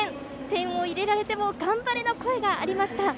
点を入れられても頑張れの声がありました。